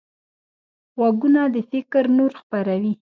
غوږونه د فکر نور خپروي